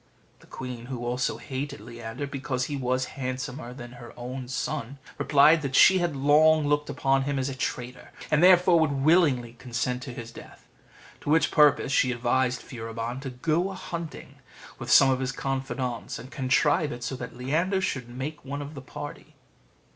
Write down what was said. The queen, who also hated Leander, because he was handsomer than her son, replied that she had long looked upon him as a traitor, and therefore would willingly consent to his death. To which purpose she advised Furibon to go a hunting with some of his confidants, and contrive it so that Leander should make one of the party.